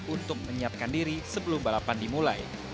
untuk menyiapkan diri sebelum balapan dimulai